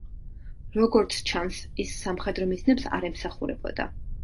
როგორც ჩანს, ის სამხედრო მიზნებს არ ემსახურებოდა.